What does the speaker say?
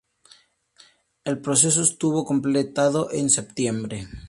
El proceso estuvo completado en septiembre.